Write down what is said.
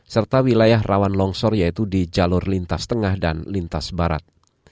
serta wilayah rawan longsor yaitu di jalur lintas tengah dan lintas barat